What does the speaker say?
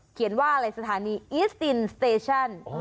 เขียนว่าอะไรสถานีอีสตินสเตชั่น